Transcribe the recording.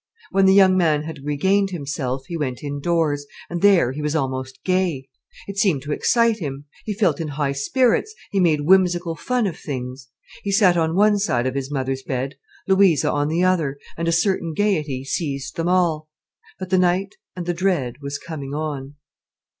When the young man had regained himself, he went indoors, and there he was almost gay. It seemed to excite him. He felt in high spirits: he made whimsical fun of things. He sat on one side of his mother's bed, Louisa on the other, and a certain gaiety seized them all. But the night and the dread was coming on.